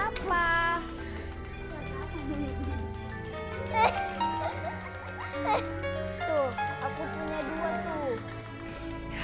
apa tuh aku punya dua tuh